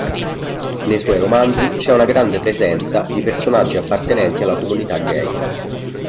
Nei suoi romanzi, c'è una grande presenza di personaggi appartenenti alla comunità gay.